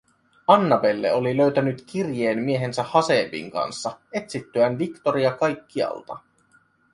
Annabelle oli löytänyt kirjeen miehensä Haseebin kanssa etsittyään Victoria kaikkialta.